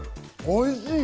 おいしい！